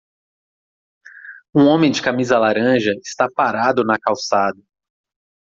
Um homem de camisa laranja está parado na calçada.